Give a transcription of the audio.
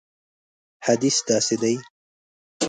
حدیث داسې دی.